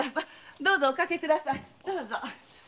どうぞおかけください。